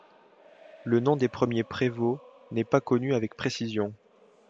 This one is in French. Le nom des premiers prévôts n'est pas connu avec précision.